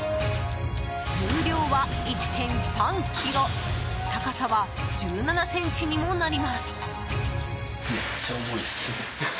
重量は１．３ｋｇ高さは１７ｃｍにもなります。